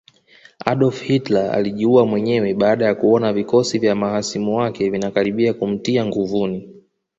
Adolf Hitler alijiua mwenyewe baada ya kuona vikosi vya mahasimu wake vinakaribia kumtia nguvuni